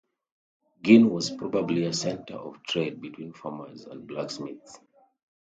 Gien was probably a centre of trade between farmers and blacksmiths.